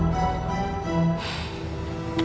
sama dia ya